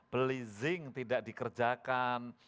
beli zinc tidak dikerjakan